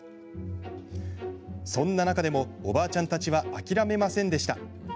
そんな中でもおばあちゃんたちは諦めませんでした。